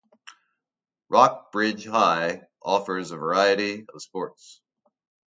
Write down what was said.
Rock Bridge High offers a variety of sports.